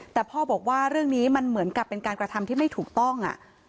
แต่พ่อบอกว่าเรื่องนี้มันเหมือนกับเป็นการกระทำที่ไม่ถูกต้อง